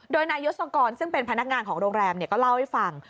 โดยนายยศกรซึ่งเป็นพนักงานของโรงแรมก็เล่าให้ฟัง